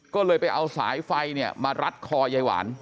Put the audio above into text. ก็เลยไปเอาสายไฟเนี่ยมารัดคอยายหวาน